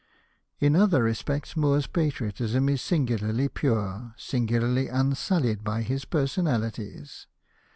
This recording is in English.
In other respects Moore's patriotism is singularly pure, singularly unsullied by personalities.